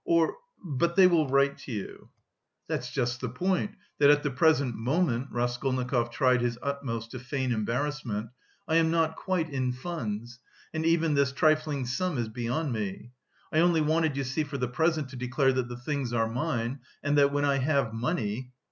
or... but they will write to you." "That's just the point, that at the present moment," Raskolnikov tried his utmost to feign embarrassment, "I am not quite in funds... and even this trifling sum is beyond me... I only wanted, you see, for the present to declare that the things are mine, and that when I have money...."